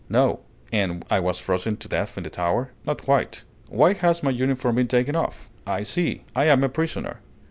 "No." "And I wasn't frozen to death in the tower?" "Not quite." "Why has my uniform been taken off? I see! I am a prisoner!"